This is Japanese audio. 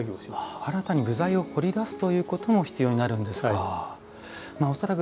新たに部材を掘り出す作業も必要になるんですか。